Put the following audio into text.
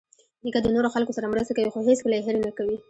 نیکه د نورو خلکو سره مرسته کوي، خو هیڅکله یې هېر نه کوي.